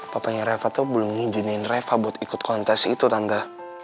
papanya reva tuh belum ngizinin reva buat ikut kontes itu tangga